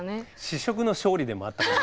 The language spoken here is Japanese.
試食の勝利でもあったかも。